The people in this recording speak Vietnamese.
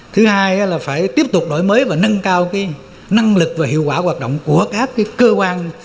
thứ hai là phải tiếp tục đổi mới và nâng cao năng lực và hiệu quả hoạt động của các cơ quan